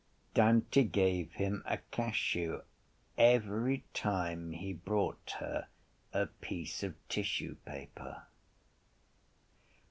Dante gave him a cachou every time he brought her a piece of tissue paper.